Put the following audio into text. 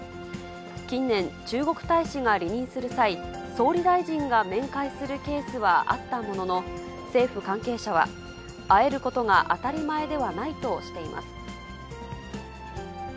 近年、中国大使が離任する際、総理大臣が面会するケースはあったものの、政府関係者は、会えることが当たり前ではないとしています。